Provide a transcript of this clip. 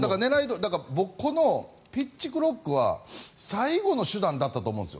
だから、ピッチクロックは最後の手段だったと思うんです。